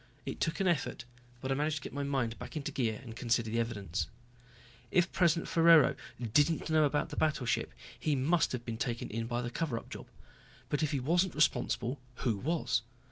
It took an effort, but I managed to get my mind back into gear and consider the evidence. If President Ferraro didn't know about the battleship, he must have been taken in by the cover up job. But if he wasn't responsible who was?